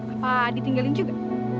apa ditinggalin juga